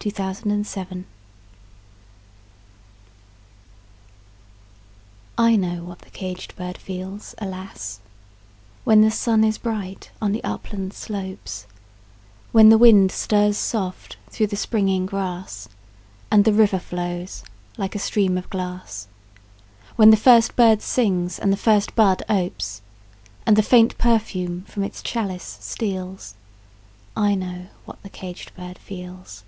Paul Laurence Dunbar Sympathy I KNOW what the caged bird feels, alas! When the sun is bright on the upland slopes; When the wind stirs soft through the springing grass, And the river flows like a stream of glass; When the first bird sings and the first bud opes, And the faint perfume from its chalice steals I know what the caged bird feels!